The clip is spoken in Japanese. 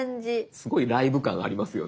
すごいライブ感ありますよね。